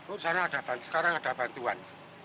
oh sana ada sekarang ada bantuan